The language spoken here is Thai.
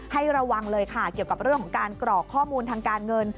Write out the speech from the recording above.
ให้ระวังเลยค่ะเกี่ยวกับเรื่องของการกรอกข้อมูลทางการเงิน